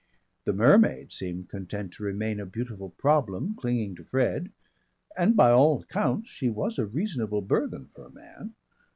The mermaid seemed content to remain a beautiful problem clinging to Fred, and by all accounts she was a reasonable burthen for a man.